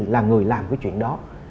là người làm cái chuyện đó